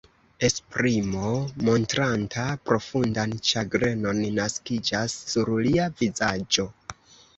Esprimo, montranta profundan ĉagrenon, naskiĝas sur lia vizaĝo.